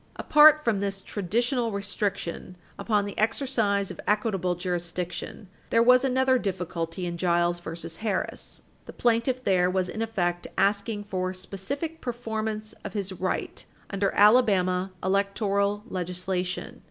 [Footnote 2] Apart from this traditional restriction upon the exercise of equitable jurisdiction, there was another difficulty in Giles v. Harris. The plaintiff there was, in effect, asking for specific performance of his right under Page 307 U. S. 273 Alabama electoral legislation.